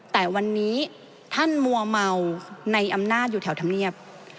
แต่วันนี้ท่านมัวเมาในอำนาจอยู่แถวธรรมเนียบ